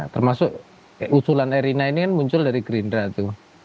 termasuk usulan erina ini kan muncul dari gerindra tuh